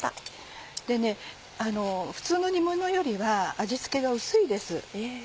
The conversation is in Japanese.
普通の煮ものよりは味付けが薄いです。